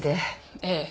ええ。